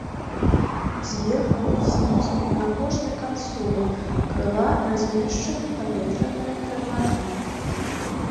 Зверху і знізу на кожнай кансолі крыла размешчаны паветраныя тармазы.